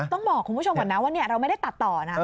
ต้องบอกคุณผู้ชมก่อนนะว่าเราไม่ได้ตัดต่อนะ